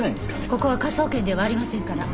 ここは科捜研ではありませんから。